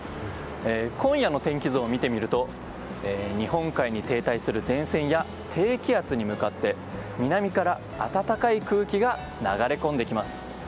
今夜の天気図を見てみると日本海に停滞する前線や低気圧に向かって南から暖かい空気が流れ込んできます。